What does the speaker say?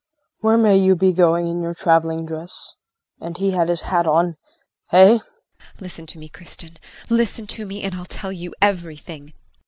Where may you be going in your traveling dress? and he had his hat on! Hey? JULIE. Listen to me, Kristin, listen to me and I'll tell you everything.